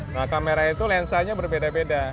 nah kamera itu lensanya berbeda beda